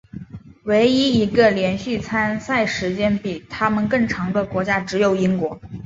唯一一个连续参赛时间比他们更长的国家只有英国。